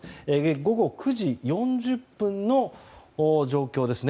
午後９時４０分の状況ですね。